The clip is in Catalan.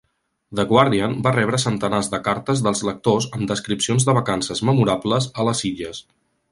"The Guardian" va rebre centenars de cartes dels lectors amb descripcions de vacances memorables a les illes.